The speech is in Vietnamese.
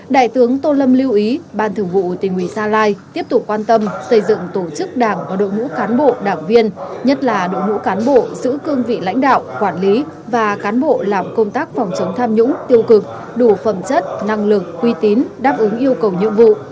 đại tướng tô lâm lưu ý ban thường vụ tỉnh nguyễn gia lai tiếp tục quan tâm xây dựng tổ chức đảng và đội ngũ cán bộ đảng viên nhất là đội ngũ cán bộ giữ cương vị lãnh đạo quản lý và cán bộ làm công tác phòng chống tham nhũng tiêu cực đủ phẩm chất năng lực uy tín đáp ứng yêu cầu nhiệm vụ